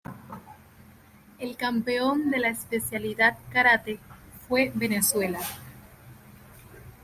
El campeón de la especialidad Karate fue Venezuela.